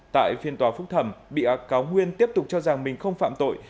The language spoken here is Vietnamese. tại phiên tòa phúc thẩm bị cáo nguyên tiếp tục cho rằng mình không phạm tội